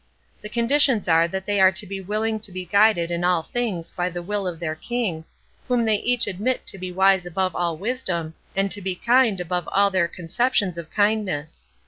The conditions are that they are to be willing to be guided in all things by the will of their King, whom they each admit to be wise above all wisdom, and to be kind above all their conceptions of kindness.